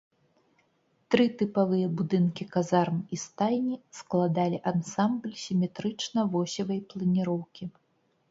Тры тыпавыя будынкі казарм і стайні складалі ансамбль сіметрычна-восевай планіроўкі.